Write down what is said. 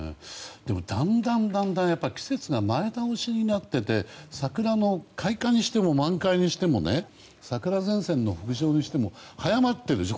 だんだんだんだん季節が前倒しになっていて桜の開花にしても満開にしても桜前線の北上にしても早まっているでしょ？